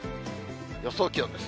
予想気温です。